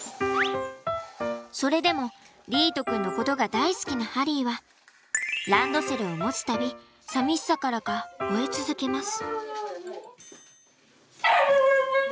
それでも莉絃くんのことが大好きなハリーはランドセルを持つ度寂しさからか吠え続けます。